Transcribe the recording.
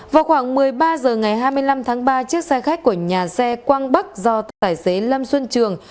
vào khoảng một mươi ba h ngày hai mươi năm tháng ba chiếc xe khách của nhà xe quang bắc do tài xế lâm xuân trường